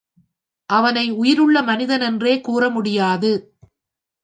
அவனை உயிருள்ள மனிதன் என்றே கூறமுடியாது.